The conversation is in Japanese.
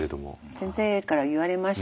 先生から言われました。